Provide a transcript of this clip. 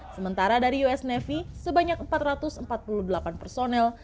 sementara dari us navy sebanyak empat ratus empat puluh delapan personel